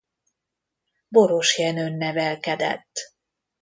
Borosjenőn nevelkedett.